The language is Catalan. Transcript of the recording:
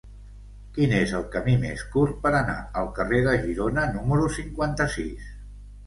Quin és el camí més curt per anar al carrer de Girona número cinquanta-sis?